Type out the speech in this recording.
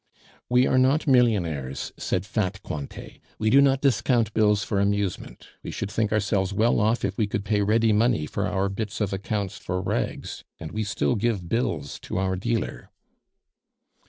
"We are not millionaires," said fat Cointet; "we do not discount bills for amusement. We should think ourselves well off if we could pay ready money for our bits of accounts for rags, and we still give bills to our dealer."